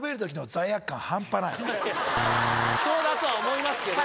そうだとは思いますけど。